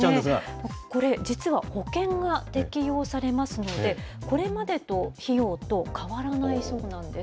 これ、実は保険が適用されますので、これまでの費用と変わらないそうなんです。